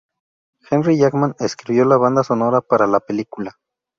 Henry Jackman escribió la banda sonora para la película.